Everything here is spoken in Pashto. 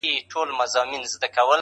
هم ښادۍ یې وې لیدلي هم غمونه،